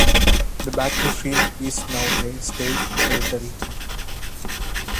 The battlefield is now a State Military Park.